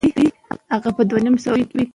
او ارزښت يې هم تر ډېره بريده ارزول شوى،